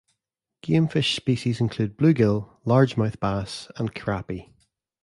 Game fish species include bluegill, largemouth bass, and crappie.